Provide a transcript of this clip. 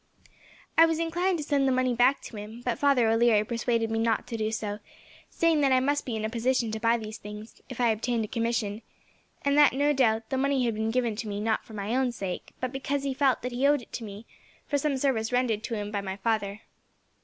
I was inclined to send the money back to him, but Father O'Leary persuaded me not to do so, saying that I must be in a position to buy these things, if I obtained a commission; and that, no doubt, the money had been given me, not for my own sake, but because he felt that he owed it to me, for some service rendered to him by my father."